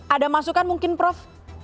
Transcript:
ada masukan mungkin prof